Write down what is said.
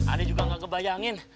aduh juga ga kebayangin